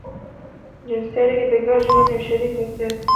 جنسي اړيکې د ګډ ژوند يوه شريکه اړتيا ده.